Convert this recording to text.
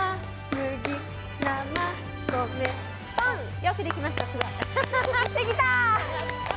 よくできました。